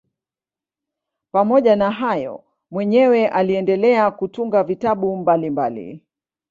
Pamoja na hayo mwenyewe aliendelea kutunga vitabu mbalimbali.